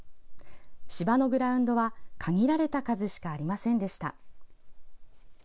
芝のグラウンドは限られた数しかありませんでした。